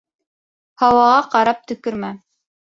Һауаға ҡарап төкөрмә: